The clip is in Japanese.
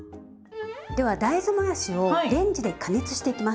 では大豆もやしをレンジで加熱していきます。